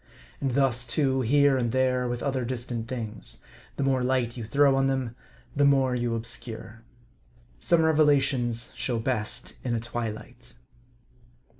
And thus, too, here and there, with other distant things : the more light you throw on them, the more you obscure. Some revelations show best in a twilight.